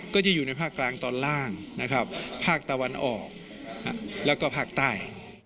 ก็จะอยู่ในภาคกลางตอนล่างนะครับภาคตะวันออกแล้วก็ภาคใต้